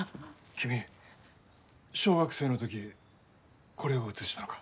君小学生の時これを写したのか？